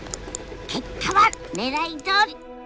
結果はねらいどおり。